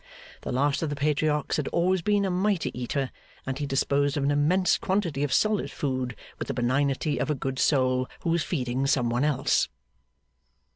The last of the Patriarchs had always been a mighty eater, and he disposed of an immense quantity of solid food with the benignity of a good soul who was feeding some one else.